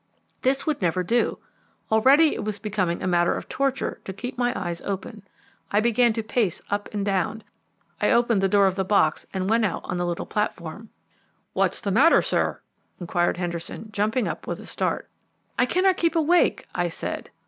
This would never do. Already it was becoming a matter of torture to keep my eyes open. I began to pace up and down; I opened the door of the box and went out on the little platform. "What's the matter, sir?" inquired Henderson, jumping up with a start. "I cannot keep awake," I said.